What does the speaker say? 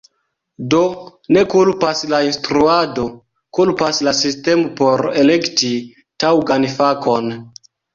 Do, ne kulpas la instruado; kulpas la sistemo por elekti taŭgan fakon.